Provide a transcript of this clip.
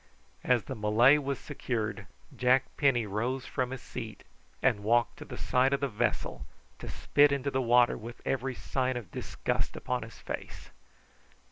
As the Malay was secured, Jack Penny rose from his seat and walked to the side of the vessel, to spit into the water with every sign of disgust upon his face.